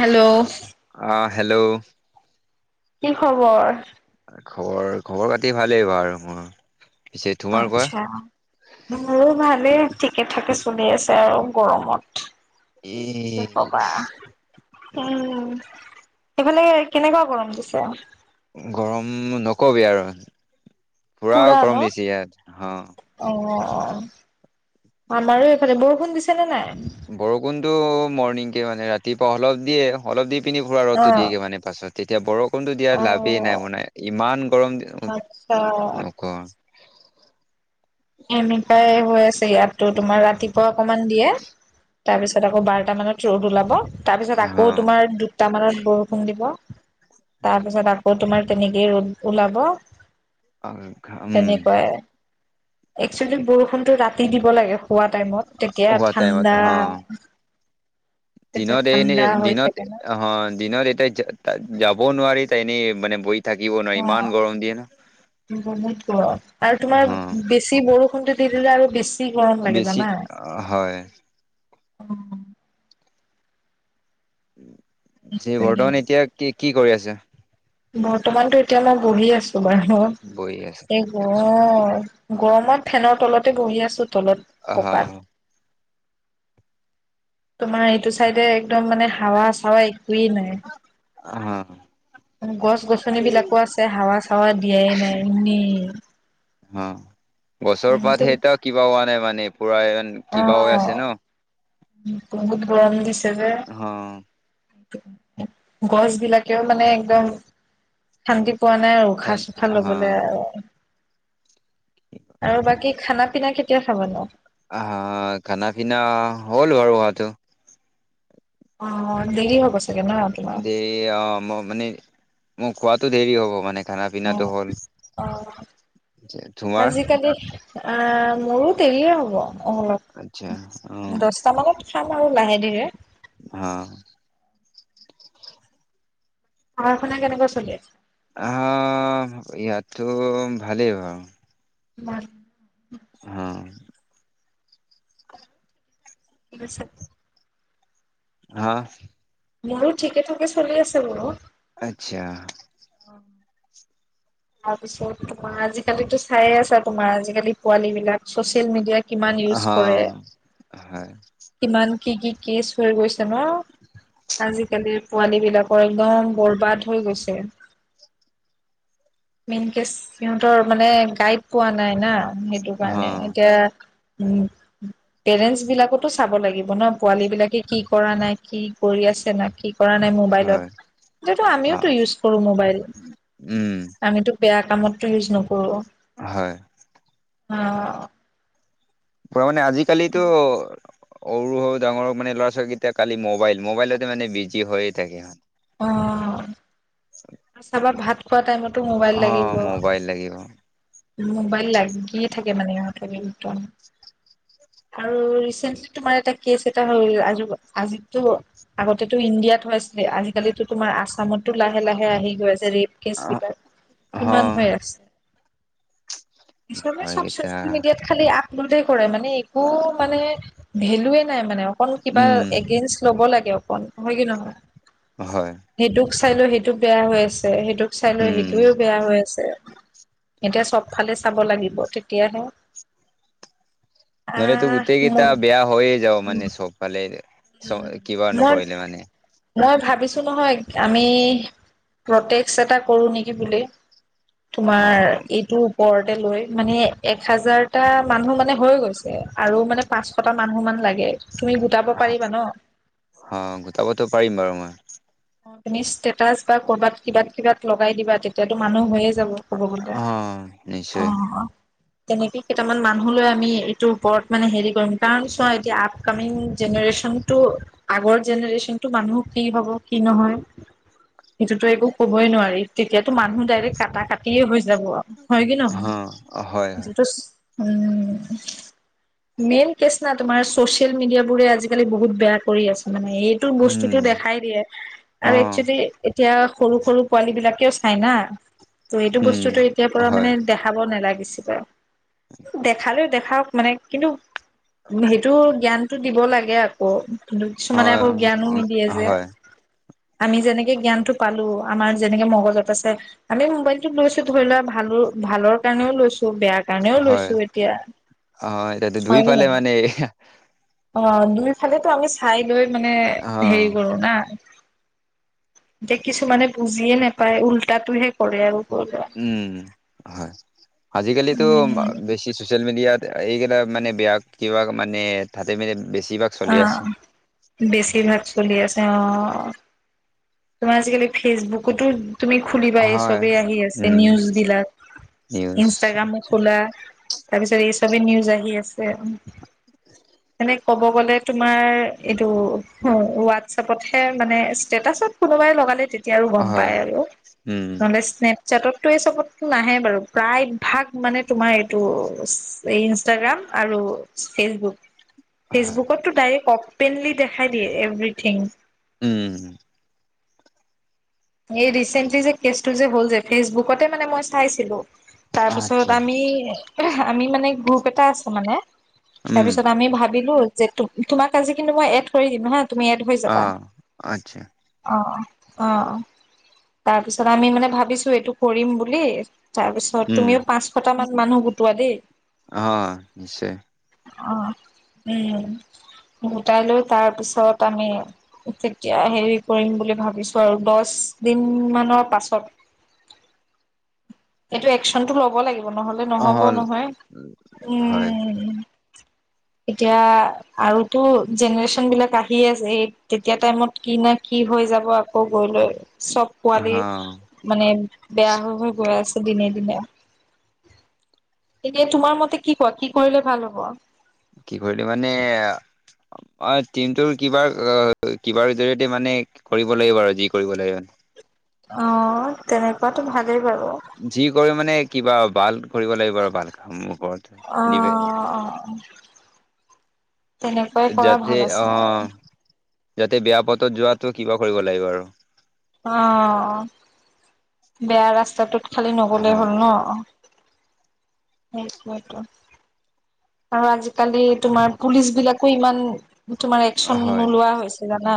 Hello আ hello কি খবৰ খবৰ খবৰ খাতি ভালেই বাৰু মোৰ পিছে তোমাৰ কোৱা আচ্ছা মোৰো ভালেই ঠিকে থাকে চলি আছে আৰু গৰমত ই বাহ উম সেইফালে কেনেকুৱা গৰম দিছে গৰম নকবি আৰু পুৰা পুৰা ন? গৰম দিছে ইয়াত অ অ অ আমাৰো এইফালে বৰষুণ দিছে নে নাই বৰষুণতটো মৰ্নিং কে মানে ৰাতিপুৱা অলপ দিয়ে অলপ দি পিনি ফুৰা অ ৰ'দটো দিয়েগে মানে পাছত তেতিয়া বৰষুণতটো অ দিয়াৰ লাভেই নাই মানে ইমান গৰম আচ্ছা নকৱা এনেকুৱাই হৈ আছে ইয়াতো তোমাৰ ৰাতিপুৱা অকমান দিয়ে তাৰপিছত আকৌ বাৰটা মানত ৰ'দ ওলাব তাৰপিছত আকৌ অ তোমাৰ দুটা মানত বৰষুণ দিব তাৰপিছত আকৌ তোমাৰ তেনেকেই ৰ'দ ওলাব অ ঘা উম তেনেকুৱাই একচুৱেলি বৰষুণটো ৰাতি দিব লাগে শুৱা টাইমত তেতিয়া হোৱা টাইমত ঠাণ্ডা হ তেতিয়া দিনত এ এনে ঠাণ্ডা হৈ দিনত থাকে ন অ দিনত এতিয়া যা তাত যাবও নোৱাৰি তাই এনেই মানে বই অ বহুত গৰম আৰু তোমাৰ অ বেছি বৰষুণটো দি দিলে আৰু বিছ বেছি অ হয় যে বৰ্তমান এতিয়া কি কি কৰি আছে বৰ্তমানতো এতিয়া মই বহি আছো বাৰু বহি আছে এই আচ্ছা গৰম গৰমত ফেনৰ তলতে বহি আছো তলত অহ পকাত তোমাৰ এইটো চাইডে একদম মানে হাৱা চাৱা একোৱে নাই অ গছ গছনি বিলাকো আছে হাৱা চাৱা দিয়াই নাই এনেই অ গছৰ পাত সেতাও কিবা হোৱা নাই মানে পুৰা ইমান অ বহুত গৰম দিছে যে অ গছ বিলাকেও মানে একদম শান্তি পোৱা নাই আৰু ঠান উশাহ চুশাহ অ লবলৈ আৰু আৰু বাকী খানা পিনা কেতিয়া খাব নো আ খানা পিনা হ'ল বাৰু হোৱাটো অ দেৰি হ'ব চাগে নহ দেৰি অ মই মানে মোৰ খোৱাতো দেৰি হ'ব মানে খানা অ পিনাটো হ'ল, তোমাৰ? আজিকালি কেনে? অ', মোৰো দেৰিয়ে হ'ব অ'। আচ্ছা, উম। তাৰ লগত খাম আৰু লাহে ধীৰে। অ'। পঢ়া শুনা কেনেকুৱা চলি আছে? আহ, ইয়াতো ভালেই বাৰু। [unintelligible] উম। কি কৈছে? হা। মোৰো ঠিকে ঠাকে চলি আছে বাৰু। আচ্ছা। [unintelligible] তাৰপিছত তোমাৰ আজিকালিতো চাই আছা তোমাৰ আজিকালি পোৱালী বিলাক চচিয়েল মিডিয়াত কিমান ইউজ হা কৰে। হয় কিমান কি কি কেচ হৈ গৈছে ন। আজিকালি পোৱালী বিলাকৰ একদম বৰবাদ হৈ গৈছে। মেইন কেছ সিহঁতৰ মানে গাইড পোৱা নাই না সেইটো হা কাৰণে এতিয়া উম। পেৰেন্টছ বিলাকতো চাব লাগিব ন পোৱালী বিলাকে কি কৰা নাই কি কৰি আছে না কি কৰা নাই হয় মোবাইলত, যিহেতু অ আমিওটো ইউজ কৰো মোবাইল। উম। আমিতো বেয়া কামতটো ইউজ নকৰো। হয়। অ'। পোৱা মানে আজিকালিতো সৰু সৰু ডাঙৰ মানে ল'ৰা ছোৱালীকেইটা কালি মোবাইল, মোবাইলতে মানে বিজি হৈয়ে থাকে সিহঁত। অ'। [unintelligible] চাবা ভাত খোৱা টাইমতো মোবাইল অ লাগিব। মোবাইল লাগিব। মোবাইল লাগিয়ে থাকে মানে ইহঁতক একদম। আৰু ৰিচেণ্টলি তোমাৰ এটা কেছ এটা হল আজ-আজিতো আগতেটো ইণ্ডিয়াত হৈ আছিলে, আজিকালিতো তোমাৰ আছামত টো লাহে লাহে আহি গৈ আছে ৰেপ কেচ অ বিলাক, হ কিমান হৈ আছে। পিছলে চব নকৰকেইটা চচিয়েল মিডিয়াত খালি আপলোডে কৰে মানে, একো মানে ভেলুয়ে নাই মানে অকণ কিবা উম এগে ল'ব লাগে অকণ হয় কি নহয়? হয়। সেইটোক চাই লও সেইটোক বেয়া হৈ আছে, সেইটোক চাই লও উম সেইটোয়েও বেয়া হৈ আছে। এতিয়া চবফালে চাব লাগিব তেতিয়াহে নহলেতো আহ গোটেই কেইটা মই বেয়া হৈয়ে যাব মানে চবফালে। চ উম, কিবা মই নকৰিলে মানে মই ভাবিছো নহয়, আমি প্ৰটেস্ত এটা কৰো নেকি বুলি। অ তোমাৰ এইটো ওপৰতে লৈ মানে এক হাজাৰটা মানুহ মানে হৈ গৈছে। আৰু মানে পাঁচশটা মানুহ মান লাগে। তুমি গোট অ, গোটাবতো পাৰিম বাৰু মই। তুমি ষ্টেচ বা কৰ'বাত কিবাত- কিবা লগাই দিবা, তেতিয়াতো মানুহ হৈয়ে যাব। ক'ব গলে, অ অ, নিশ্চয় অ। তেনেকে কেইটামান মানুহ লৈ আমি এইটোৰ ওপৰত মানে হেৰি কৰিম। কাৰণ চোৱা এতিয়া আ আপকামিং জেনেৰেচনটো, আগৰ জেনেৰেচন টো মানুহ কি হ'ব, কি নহয়। সেইটোতো একো কবই নোৱাৰি। তেতিয়াতো মানুহ ডাইৰেক্ট কাটা কাটিয়ে হৈ যাব আৰু। হয় নে অ নহয়? হয় হয় যতেষ্ঠ, উম। মেইন কেছ না, তোমাৰ চচিয়েল মিডিয়াবোৰে আজিকালি বহুত বেয়া কৰি আছে মানে। এই উম বস্তুতটো দেখাই দিয়ে। অ আৰু একচুৱেলি এতিয়া সৰু- সৰু পোৱালী বিলাকেও চাই না। ত এইটো উম বস্তুতটো এতিয়াৰ পৰা হয় মানে দেখাব নালাগিছিল। দেখালেও দেখাওক। মানে কিন্তু সেইটো জ্ঞানতটো দিব লাগে আকৌ। কিন্তু কিছুমানে হয় আকৌ জ্ঞানো নিদিয়ে যে। হয় আমি যেনেকে জ্ঞানটো পালো। আমাৰ যেনেকে মগজত আছে। আমি মোবাইলটো লৈছো ধৰি লোৱা, ভালো ভালৰ কাৰণেও লৈছো। বেয়া সেইকাৰণেও হয় লৈছো এতিয়া। অ এতিয়াতো ধুই হয় নে পালে নহয়? মানে অ, দুইফালে আমি চাই লৈ মানে অ হেৰি কৰো না। দেখিছোঁ মানে বুজিয়ে নাপায়। উল্টাটোহে কৰে আৰু। উম, হয়, আজিকালিতো উম বেছি চচিয়েল মিডিয়াত এইকেইটা মানে বেয়া, কিবা মানে তাতে মানে বেছিভাগ চলি অ। আছে বেছিভাগ চলি আছে। অ, তোমাৰ আজিকালি ফেচবুকতো তুমি খুলিবা। এই হয় চবেই আহি আছে উম নিউজ বিলাক নিউজ ইনষ্টাগ্ৰামো খোলা তাৰপিছত এই চবে নিউজ আহি আছে আৰু। এনে কব কলে তোমাৰ, এইটো হোৱাটছএপতহে মানে, ষ্টেটাছত কোনোবাই লগালে তে এতিয়া আৰু গম হয় পাই আৰু, উম হনেষ্ট নেট চাটতটো এই চবত নাহে বাৰু। প্ৰায় ভাগ মানে তোমাৰ এইটো ইনষ্টাগ্ৰাম আৰু ফেচবুক। হয় ফেচবুকতো ডাইৰেক্ট অপেনলি দেখাই দিয়ে, এভৰিথিং। উম। এই ৰিচেন্টলি যে কেচটো যে হ'ল যে, ফেচবুকতে মানে মই চাইছিলো। তাৰপিছত আচ্ছা আমি- আমি মানে গ্ৰুপ এটা আছে মানে। উম তাৰপিছত আমি ভাবিলো, যে তোমাক আজি কিন্তু মই এড কৰি দিম হা। তুমি এড এড হৈ অ যাবা। আচ্ছা অ- অ। তাৰপিছত আমি মানে ভাবিছো, এইটো কৰিম বুলি। তাৰপিছত উম তুমিও পাঁচ পাঁচশটা মান মানুহ গোটোৱা দেই। অ, নিশ্চয়। অ, উম, গোটাই লৈ তাৰপিছত আমি তেতিয়া হেৰি কৰিম বুলি ভাবিছো, আৰু দহ দিন মানৰ পাছত এইটো একচনতটো ল'ব লাগিব, নহলে অ নহ'ব নহয়। হয় উম। এতিয়া আৰু তো জেনেৰেচন বিলাক আহিয়ে আছে, এই তেতিয়া টাইমত কি নাই কি হৈ যাব আকৌ গৈ লৈ? চ'ব অ পোৱালি মানে বেয়া হৈ হৈ গৈ আছেঁ। ত' দিনে দিনে, এতিয়া তোমাৰ মতে কি কোৱা কি কৰিলে ভাল হব? কি কৰিলো মানে? অ', টিমটোৰ কিবা অ কিবাৰ জৰিয়তে মানে কৰিব লাগিব আৰু যি কৰিব লাগে। অঁ, তেনেকুৱাতো ভালেই বাৰু। যি কৰি মানে কিবা বালক কৰিব লাগিব আৰু ৱালক কাম ওপৰতে‌ দি অ', অ', অ', যাতে ভাল আছে আৰু। অঁ, যাতে বেয়া পথত যোৱাটো কিবা কৰিব লাগিব আৰু। অঁ, বেয়া ৰাস্তাটোত খালি হা নগ'লেই হ'ল ন। সেইটোৱে টো আৰু আজিকালি তোমাৰ পুলিচ বিলাকো ইমান তোমাৰ একচন হয় নোলোৱা হৈছে জানা?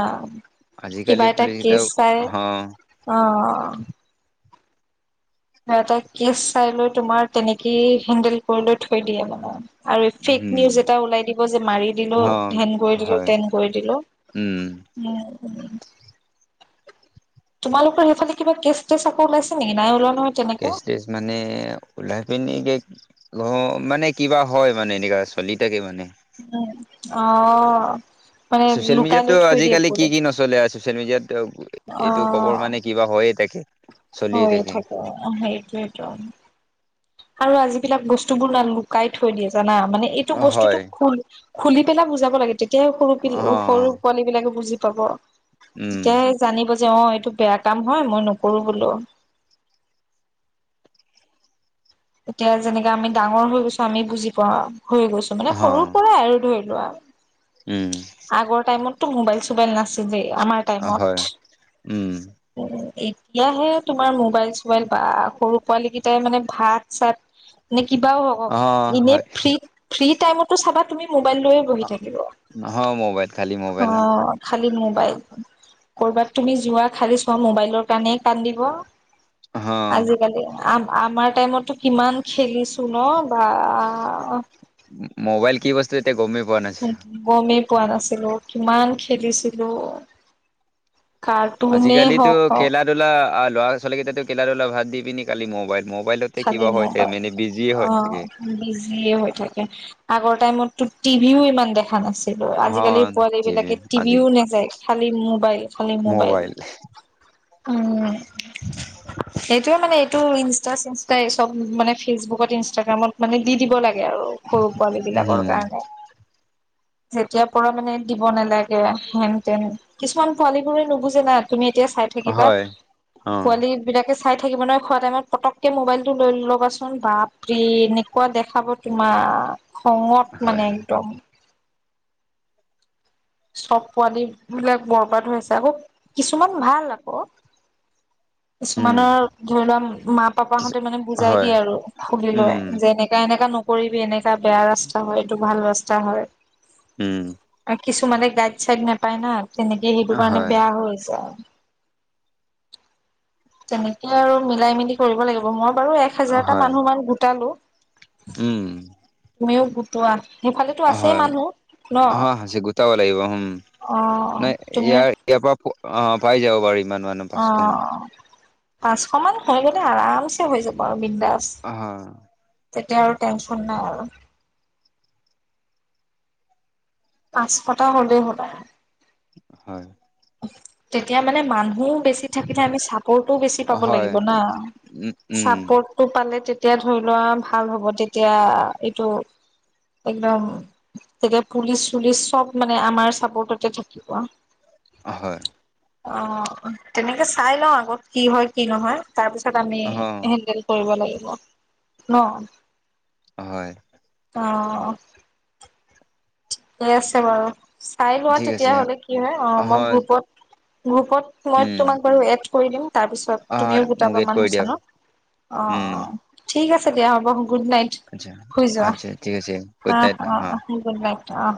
আজিকালি কিবা এটা পুলিচ কেইটাও কেচ চাই হা অঁ। এটা কেছ চাই লৈ তোমাৰ তেনেকেই হেন্দেল কৰি লৈ থৈ দিয়ে মানে। আৰু ফেক উম, নিউজ এটা ওলাই দিব যে, মাৰি দিলো অ', ধেন কৰি দিলো, হয় তেন কৰি দিলো। উম। উম, উম। তোমালোক সেইফালে কিবা কেছ টেচ আকৌ ওলাইছে নেকি, নাই ওলোৱা নহয়? তেনেকুৱা কেচ টেচ মানে, ওলাই পিনি কি অঁ, মানে কিবা হয় মানে, এনেকা চলি থাকে মানে। উম, অঁ ছচিয়েল মিডিয়াত তো আজিকালি কি নচ চলে আ চচিয়েল মিডিয়াত এইটো কবৰ মানে কিবা হৈয়ে থাকে। হৈয়ে থাকে, অঁ সেইটোৱে ত' আৰু আ যিবিলাক বস্তুবোৰ না লুকাই থৈ দিয়ে জানা? মানে এইটো বস্তুটো হয় খোল খুলি পেলাই বুজাব লাগে, তেতিয়া হে সৰু পিল অ সৰু অ', পোৱালী বিলাকে বুজি পাব। উম তেতিয়াহে জানি বুজি অঁ এইটো বেয়া কাম হয়, মই নকৰো বোলো। এতিয়া যেনেকে আমি ডাঙৰ হৈ গৈছো, আমি বুজি পাওঁ। হৈ গৈছো অ মানে সৰুৰ পৰাই আৰু ধৰি লোৱা। উম। আগৰ টাইমত টো মোবাইল চোবাইল নাছিলেই, আমাৰ টাইমত। হয় উম উম, এতিয়াহে তোমাৰ মোবাইল চোবাইল বা সৰু পোৱালী কেইটাই মানে ভাত চাত নে কিবাও হ' অ ইনে হয় ফ্ৰী, ফ্ৰী টাইমতো চাবা তুমি মোবাইল লৈয়ে বহি থাকিব। অ মোবাইল খালি মোবাইল অঁ, খালি মোবাইল। কৰ'বাত তুমি যোৱা, খালি চোৱা মোবাইলৰ কাৰণেই কান্দিব। অ আজিকালি, আম আমাৰ টাইমতটো কিমান খেলিছোঁ। ছো ন' বা ম'বাইল কি বস্তু এতিয়া গ'মেই পোৱা নাছিলো। গমেই পোৱা নাছিলো, কিমান খেলিছিলো। কাৰ্টুনেই হওঁক অঁ। ধৰি লোৱা আ ল'ৰা ছোৱালী কেতাটো কেদাৰলে ভাত দি পিনি কালি ম'বাইল মোবাইলতে খালি কিবা হয়, মোবাইল ফেমিলি বিজিয়ে অ হয় চাগে। বিজিয়ে হৈ থাকে, আগৰ টাইমততো টিভিও ইমান দেখা নাছিল সেইবোৰ অ আজিকালিৰ পোৱালি টিভি বিলাকে আজি টিভিও নেচায়, খালি মোবাইল খালি মোবাইল। উম, সেইটোয়ে মানে এইটো ইনচ জাষ্ট ইনষ্টা এই চব মানে ফেচবুকত ইনষ্টাগ্ৰামত মানে দি দিব লাগে আৰু সৰু পোৱালী বিলাকৰ উম কাৰণে। যেতিয়াৰ পৰা মানে দিব নালাগে হেন তেন। কিছুমান পোৱালী বোৰে নুবুজে না, তুমি এতিয়া চাই থাকিবা হয় অ পোৱালি বিলাকে চাই থাকিব নহয় খোৱা টাইমত পটককে মোবাইলটো লৈ ল'বাচোন বাপৰে! এনেকুৱা দেখাব তোমাক খঙত হয় মানে হয় একদম। চব পোৱালবিলাক বৰবাদ হৈ আছে, আকৌ কিছুমান ভাল, আকৌ। উম কিছুমানৰ, ধৰি লোৱা, কিছু মা-পাপাহঁতে মানে, বুজাই হয় দিয়ে আৰু খুলি লৈ উম যে, এনেকা এনেকা ন নকৰিবি, এনেকা বেয়া ৰাস্তা হয়, এইটো ভাল ৰাস্তা হয়। উম। আৰু কিছুমানে গাইড চাইড নাপায়, না তেনেকে, সেইটো কাৰণে হয় বেয়া হৈ যায়। তেনেকে আৰু মিলাই-মিলি কৰিব লাগিব, মই বাৰু এক হাজাৰটা হয় মানুহ মান গোটালো। উম। তুমিও গোটোৱা। সেইফালেতো আছেই হয় মানুহ, ন? অ সাঁচি গোটাব লাগিব উম অহ', নাই তুমিউ ইয়াৰ ইয়াৰ পৰা, অ, পাই যাব বাৰু, ইমান মানুহ। পাঁচশ মান অঁহ পাঁচশ মান হৈ গ'লে, আৰামছে হৈ যাব আৰু বিন্দাছ। আহ'। তেতিয়া আৰু টেনচন নাই, আৰু। পাঁচশটা হ'লেই হ'ল আৰু। হয়। তেতিয়া মানে মানুহ বেছি থাকি তেতিয়া আমি চাপৰ্টোও বেছি পাব হয় লাগিব না, উম উম চাপৰ্ট টো পালে তেতিয়া ধৰি লোৱা ভাল হ'ব তেতিয়া, এইটো একদম তেতিয়া পুলিচ-চুলিচ চব মানে আমাৰ চাপৰ্টতে থাকিব। হয়। অ, তেনেকে চাই লওঁ আগত কি হয়, কি নহয়, তাৰপিছত আমি অ হেণ্ডেল কৰিব লাগিব, ন? হয়। অঁ। ঠিকে আছে বাৰু, চাই লোৱা ঠিক আছে তেতিয়াহ'লে কি হয়, অঁ অ', মই হয় গ্ৰুপত গ্ৰুপত, মই উম তোমাক বাৰু এড কৰি দিম। তাৰপিছত হয় তুমিও মোক গোটাবা এড কৰি মানুহ দিয়ক চানুহ। অঁ উম অ, ঠিক আছে দিয়া হ'ব, গুড নাইট। আচ্ছা, শুই যোৱা আচ্ছা, ঠিক আছে, গুড অ', নাইট হা। অ', গুড নাইট, অঁ।